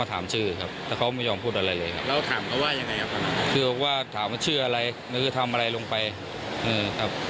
ตอนนั้นตอนตีเขามีท่าทางได้ขอร้องก่อชีวิตหรือปัดพร่องอะไรไหมครับผม